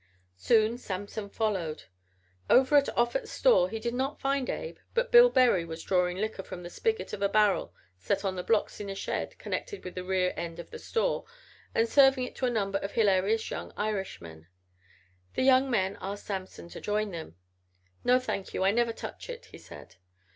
Soon Samson followed him. Over at Offut's store he did not find Abe, but Bill Berry was drawing liquor from the spigot of a barrel set on blocks in a shed connected with the rear end of the store and serving it to a number of hilarious young Irishmen. The young men asked Samson to join them. "No, thank you. I never touch it," he said.